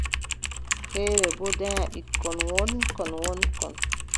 Feere boo danya ɓikkon wooɗkon, wooɗkon.